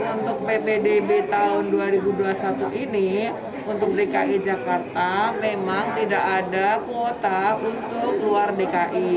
untuk ppdb tahun dua ribu dua puluh satu ini untuk dki jakarta memang tidak ada kuota untuk luar dki